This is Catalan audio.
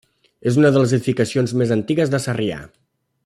És una de les edificacions més antigues de Sarrià.